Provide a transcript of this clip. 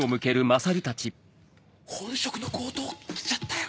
本職の強盗来ちゃったよ。